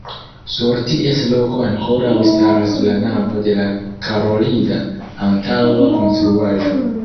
Sur ties loko ankoraŭ staras la navo de la karolida antaŭa konstruaĵo.